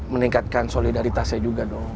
meningkatkan solidaritasnya juga dong